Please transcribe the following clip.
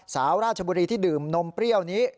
สาวราชบุรีที่ดื่มนมเปรี้ยวนี้